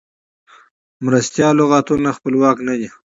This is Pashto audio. مرستیال لغتونه خپلواک نه دي.